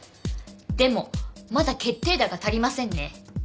でもまだ決定打が足りませんね。